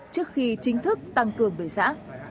trước khi chính thức tăng cường về xã